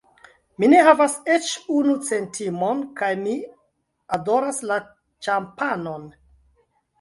Mi ne havas eĉ unu centimon kaj mi adoras la ĉampanon.